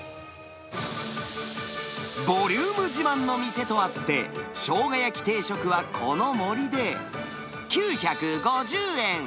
ボリューム自慢の店とあって、しょうが焼き定食はこの盛りで９５０円。